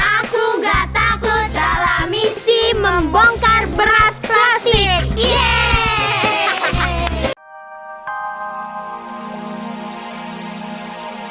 aku gak takut dalam misi membongkar beras plastik